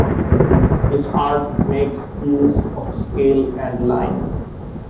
His art makes use of scale and line.